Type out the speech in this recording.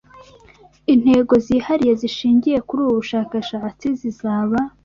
Intego zihariye zishingiye kuri ubu bushakashatsi zizaba